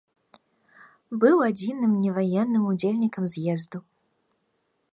Быў адзіным неваенным удзельнікам з'езду.